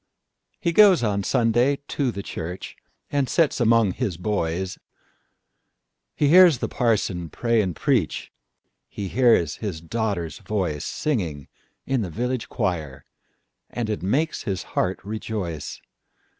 He goes on Sunday to the church, And sits among his boys; He hears the parson pray and preach, He hears his daughter's voice, Singing in the village choir, And it makes his heart rejoice.